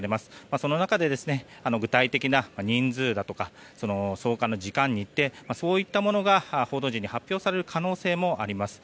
その中で、具体的な人数や送還時間・日程というものが報道陣に発表される可能性もあります。